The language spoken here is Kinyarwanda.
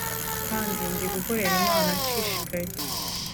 kandi ndi gukorera Imana nshishikaye